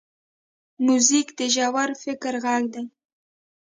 موزیک د ژور فکر غږ دی.